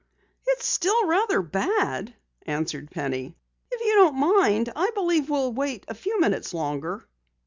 "It's still rather bad," answered Penny. "If you don't mind, I believe we'll wait a few minutes longer."